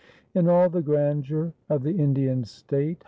In all the grandeur of the Indian state.